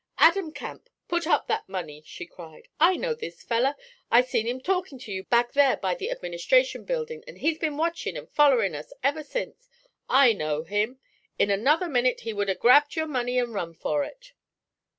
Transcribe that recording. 'Adam Camp, put up that money!' she cried. 'I know this feller; I seen him talkin' to you back there by the Administration Buildin'; and he's been watchin' and follerin' us ever sence. I know him! In another minute he would 'a' grabbed your money and run for it.'